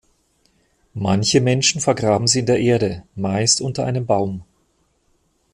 Manche Menschen vergraben sie in der Erde, meist unter einem Baum.